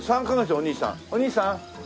お兄さん。